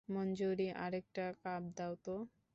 মঞ্জুরী, আরেকটা কাপ দাও তো।